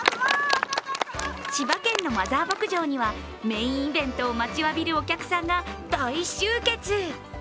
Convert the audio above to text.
千葉県のマザー牧場にはメインイベントを待ちわびるお客さんが大集結。